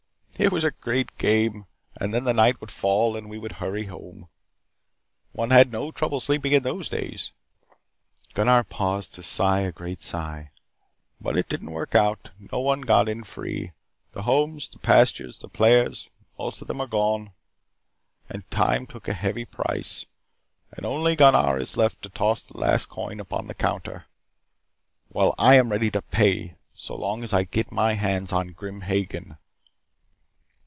It was a great game, and then the night would fall and we would hurry home. One had no trouble sleeping in those days." Gunnar paused to sigh a great sigh. "But it didn't work out. No one got in free. The homes, the pastures, the players, most of them are gone and time took a heavy price. And only Gunnar is left to toss the last coin upon the counter. Well, I am ready to pay, so long as I get my hands on Grim Hagen."